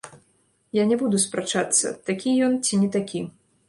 Я не буду спрачацца, такі ён ці не такі.